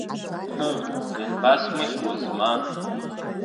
Ҳы, ианбасмыхьуаз ма!